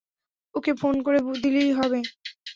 ওকে phone করে দিলেই হবে।